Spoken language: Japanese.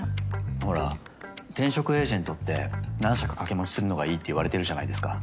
ほら転職エージェントって何社か掛け持ちするのがいいっていわれてるじゃないですか。